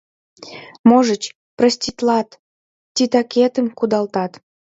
— Можыч, проститлат, титакетым кудалтат...